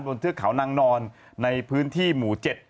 บนเทือกเขานั่งนอนในพื้นที่หมู่เจ็ด